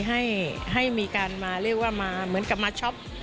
ให้มีการมาเรียกว่ามาเหมือนกับมาช็อป